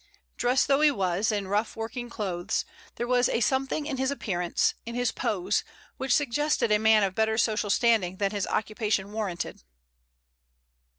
Dressed though he was in rough working clothes, there was a something in his appearance, in his pose, which suggested a man of better social standing than his occupation warranted.